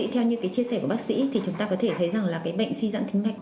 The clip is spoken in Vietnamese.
theo như chia sẻ của bác sĩ chúng ta có thể thấy bệnh suy dãn tĩnh mạch